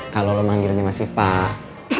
kalau lo manggilnya masih pak